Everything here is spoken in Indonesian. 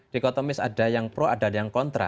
dikotomis ada yang pro ada yang kontra